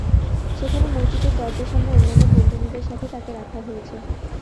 সেখানে মসজিদের দরজার সামনে অন্যান্য বন্দীনীদের সাথে তাকে রাখা হয়েছে।